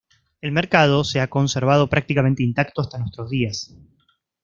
El mercado se ha conservado prácticamente intacto hasta nuestros días.